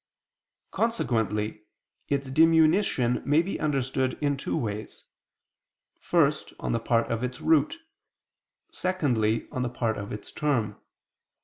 Consequently its diminution may be understood in two ways: first, on the part of its root, secondly, on the part of its term.